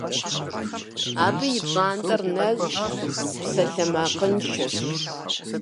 Абы и пщӏантӏэр нэщӏщ, псалъэмакъыншэщ…